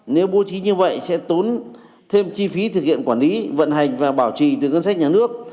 nếu bố trí như vậy sẽ tốn thêm chi phí thực hiện quản lý vận hành và bảo trì từ ngân sách nhà nước